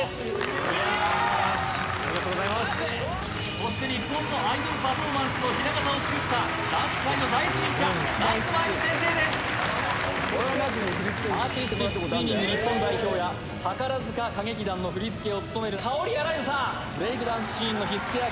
そして日本のアイドルパフォーマンスのひな形をつくったダンス界の第一人者夏まゆみ先生ですそしてアーティスティックスイミング日本代表や宝塚歌劇団の振付を務めるＫＡＯＲＩａｌｉｖｅさんブレイクダンスシーンの火付け役